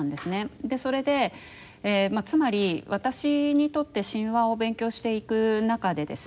それでつまり私にとって神話を勉強していく中でですね